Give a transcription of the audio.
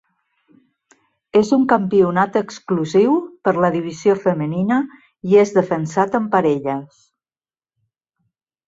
És un campionat exclusiu per la divisió femenina i és defensat en parelles.